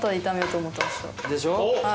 でしょ？